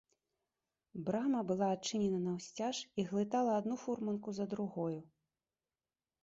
Брама была адчынена наўсцяж і глытала адну фурманку за другою.